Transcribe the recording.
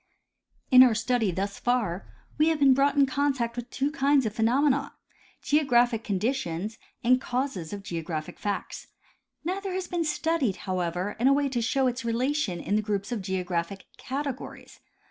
In our study thus far we have been brought in contact with two kinds of phenomena, geographic conditions and causes of geographic facts. Neither has been studied, however, in a way to show its relation in the groups of geographic categories.